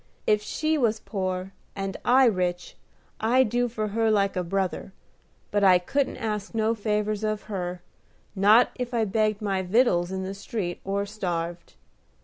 If she was poor and I rich, I'd do for her like a brother; but I couldn't ask no favors of her, not if I begged my vittles in the street, or starved.